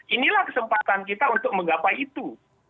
inilah kesempatan kita untuk menggapai itu